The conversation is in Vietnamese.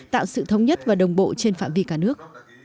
tạo sự thống nhất và đồng bộ trên phạm vi cả nước